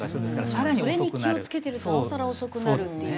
それに気を付けてなおさら遅くなるっていう。